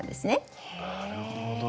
なるほど。